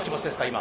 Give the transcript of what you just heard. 今。